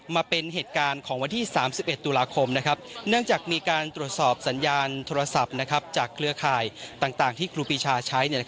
มาเป็นเหตุการณ์ของวันที่๓๑ตุลาคมเนื่องจากมีการตรวจสอบสัญญาณโทรศัพท์จากเครือข่ายต่างที่ครูปีชาใช้